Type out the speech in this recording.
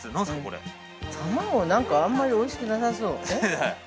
◆卵なんかあんまりおいしくなさそう。